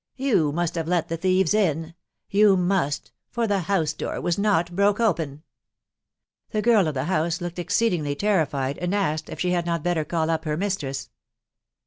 ... You must have let the thieves in ...• you must, for the house door was hot biok* vgecu" The girl of the house looked e&cee&ihgV} teAtefc, &. ^«k if she had not better call up her miBtress.